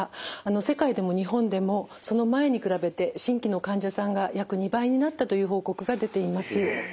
世界でも日本でもその前に比べて新規の患者さんが約２倍になったという報告が出ています。